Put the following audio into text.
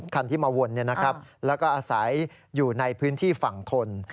คันที่มาวนแล้วก็อาศัยอยู่ในพื้นที่ฝั่งทน